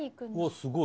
すごい。